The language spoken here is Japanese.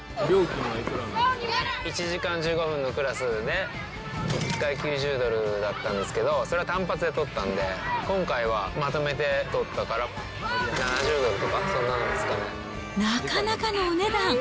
１時間１５分のクラスで、１回９０ドルだったんですけど、それは単発で取ったんで、今回はまとめて取ったから、１回７０ドルとか、なかなかのお値段。